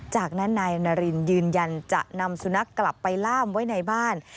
จากนั้นนายนารินยืนยันจะนำสุนัขกลับไปล่ามไว้ในบ้าน